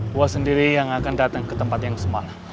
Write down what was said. gue sendiri yang akan datang ke tempat yang semalam